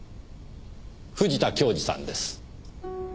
藤田恭二さんです。